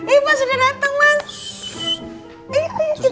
eh mas udah dateng mas